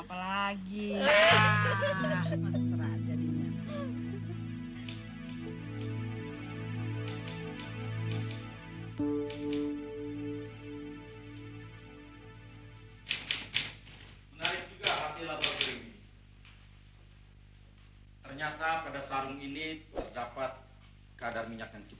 masa sekarang musrak lagi dong